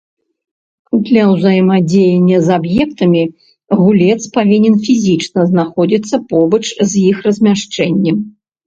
Для ўзаемадзеяння з аб'ектамі гулец павінен фізічна знаходзіцца побач з іх размяшчэннем.